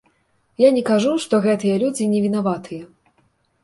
Я не кажу, што гэтыя людзі невінаватыя.